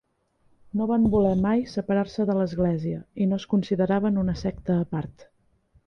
No van voler mai separar-se de l'Església, i no es consideraven una secta a part.